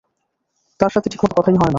তার সাথে ঠিকমতো কথাই হয়না।